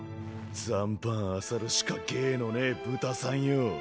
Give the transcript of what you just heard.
残飯あさるしか芸のねぇ豚さんよ。